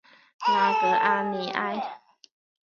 拉戈阿尼埃。